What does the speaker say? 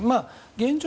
現状